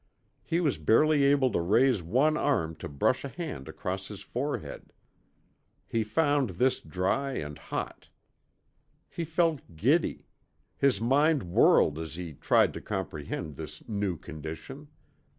He was barely able to raise one arm to brush a hand across his forehead. He found this dry and hot. He felt giddy. His mind whirled as he tried to comprehend this new condition.